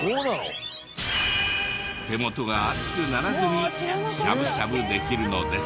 手元が熱くならずにしゃぶしゃぶできるのです。